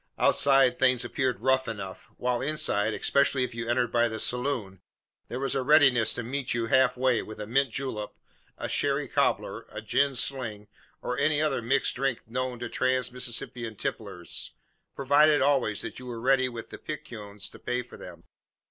Outside things appeared rough enough; while inside, especially if you entered by the "saloon," there was a readiness to meet you half way, with a mint julep, a sherry cobbler, a gin sling, or any other mixed drink known to trans Mississippian tipplers provided always that you were ready with the picayunes to pay for them.